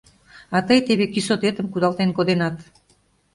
А тый теве кӱсотетым кудалтен коденат.